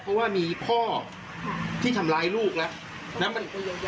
เพราะว่ามีพ่อที่ทำร้ายลูกแล้ว